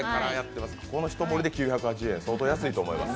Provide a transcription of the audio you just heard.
この一盛りで９８０円相当安いと思います。